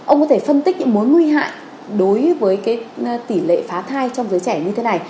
ông có thể phân tích những mối nguy hại đối với tỷ lệ phá thai trong giới trẻ như thế này